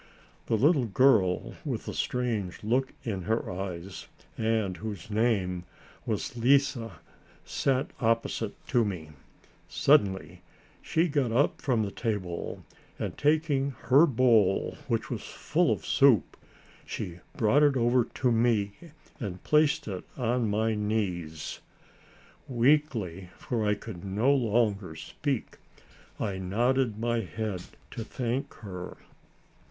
The little girl with the strange look in her eyes, and whose name was Lise, sat opposite to me. Suddenly, she got up from the table and, taking her bowl which was full of soup, she brought it over to me and placed it on my knees. Weakly, for I could no longer speak, I nodded my head to thank her.